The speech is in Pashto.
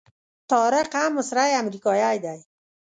طارق هم مصری امریکایي دی.